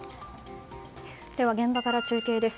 では、現場から中継です。